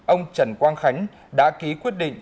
ông trần quang khánh đã ký quyết định